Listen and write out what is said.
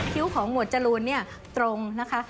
คิ้วของหมวดจรูนตรงนะคะ